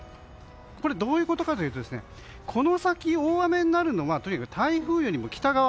これ、どういうことかというとこの先、大雨になるのはとにかく台風よりも北側。